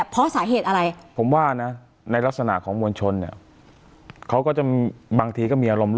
ใช่ไหมคือประเด็นนี้ใช่ไหม